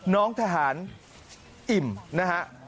น้องทหารอิ่มนะฮะ